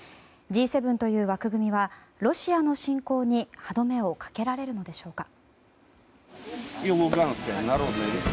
Ｇ７という枠組みはロシアの侵攻に歯止めをかけられるのでしょうか。